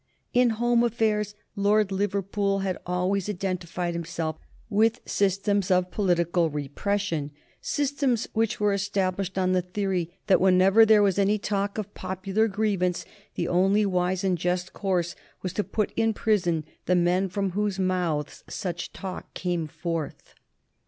In home affairs Lord Liverpool had always identified himself with systems of political repression, systems which were established on the theory that whenever there was any talk of popular grievance the only wise and just course was to put in prison the men from whose mouths such talk came forth.